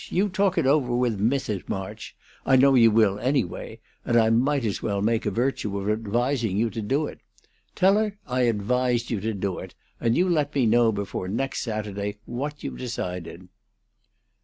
You talk it over with Mrs. March; I know you will, anyway; and I might as well make a virtue of advising you to do it. Tell her I advised you to do it, and you let me know before next Saturday what you've decided."